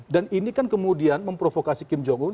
dan ini kan kemudian memprovokasi kim jong un